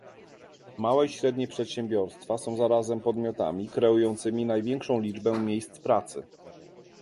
Małe i średnie przedsiębiorstwa są zarazem podmiotami kreującymi największą liczbę miejsc pracy